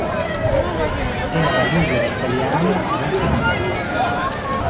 Era leader italiano del settore.